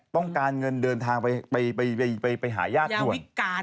ต้องการเงินเดินทางไปหาญาติด่วน